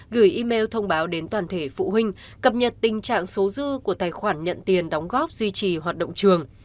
gửi email thông báo đến toàn thể phụ huynh cập nhật tình trạng số dư của tài khoản nhận tiền đóng góp duy trì hoạt động trường